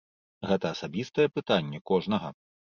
Гэта асабістае пытанне кожнага.